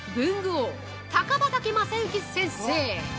王高畑正幸先生。